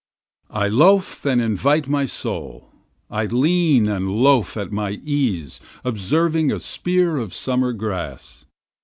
I loafe and invite my soul, I lean and loafe at my ease observing a spear of summer grass.